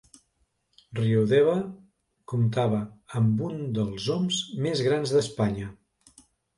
Riodeva comptava amb un dels oms més grans d'Espanya.